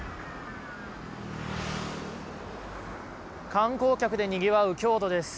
観光客でにぎわう京都です。